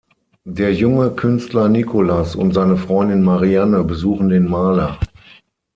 Der junge Künstler Nicolas und seine Freundin Marianne besuchen den Maler.